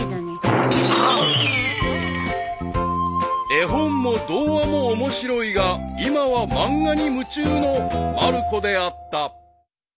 ［絵本も童話も面白いが今は漫画に夢中のまる子であった］